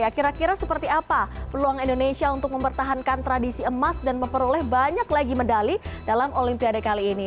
kira kira seperti apa peluang indonesia untuk mempertahankan tradisi emas dan memperoleh banyak lagi medali dalam olimpiade kali ini